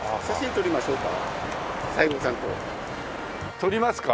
撮りますか？